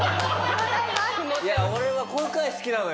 いや俺はこういう回好きなのよ。